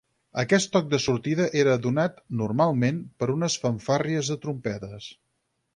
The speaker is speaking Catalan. Aquest toc de sortida era donat, normalment, per unes fanfàrries de trompetes.